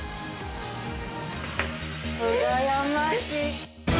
うらやましい。